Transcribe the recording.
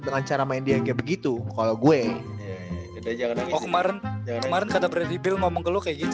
dengan cara main dia begitu kalau gue kemarin kemarin kata berdibil ngomong ke lu kayak gitu